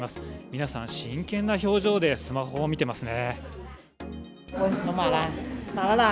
皆さん、真剣な表情でスマホを見てますね。